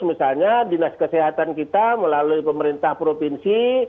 misalnya dinas kesehatan kita melalui pemerintah provinsi